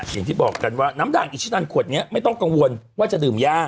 อย่างที่บอกกันว่าน้ำด่างอิชินันขวดนี้ไม่ต้องกังวลว่าจะดื่มย่า